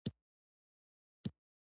قبر د زړه زنګ دی چې ژوند ته عبرت ورکوي.